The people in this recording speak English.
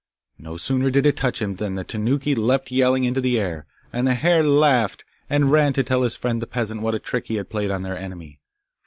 No sooner did it touch him than the Tanuki leapt yelling into the air, and the hare laughed, and ran to tell his friend the peasant what a trick he had played on their enemy.